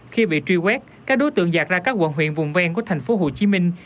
khi bị truy quét các đối tượng giạt ra các quận huyện vùng ven của thành phố hồ chí minh